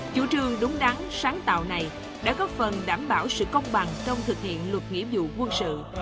chủ trương đúng đắn sáng tạo này đã góp phần đảm bảo sự công bằng trong thực hiện luật nghĩa vụ quân sự